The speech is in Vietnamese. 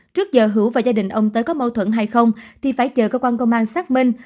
trước giờ hữu và gia đình ông tới có mâu thuẫn hay không thì phải chờ cơ quan công an xác minh